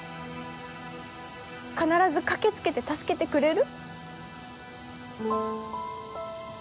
必ず駆け付けて助けてくれる？